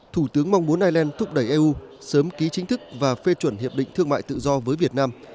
thủ tướng mong muốn ireland thúc đẩy eu sớm ký chính thức và phê chuẩn hiệp định thương mại tự do với việt nam